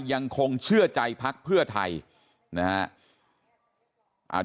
ยังคงเชื่อใจพักเพื่อไทยนะฮะ